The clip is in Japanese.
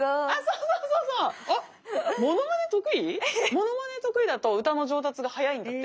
ものまね得意だと歌の上達が早いんだって。